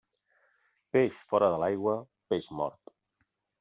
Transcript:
Peix fora de l'aigua, peix mort.